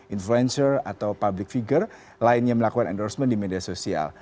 influencer atau public figure lainnya melakukan endorsement di media sosial